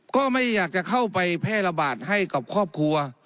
ก็ไม่อยากจะเข้าไปแพร่ระบาดให้กับครอบครัว